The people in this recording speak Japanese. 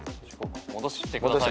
戻してください。